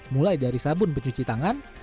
mulai dari sabun pencuci tangan